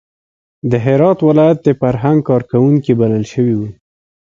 د هرات ولایت د فرهنګ کار کوونکي بلل شوي وو.